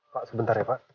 pak sebentar ya pak